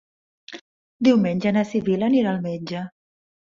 Diumenge na Sibil·la anirà al metge.